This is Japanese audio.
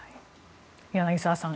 柳澤さん